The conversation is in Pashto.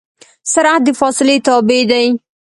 سرعت د فاصلې تابع دی.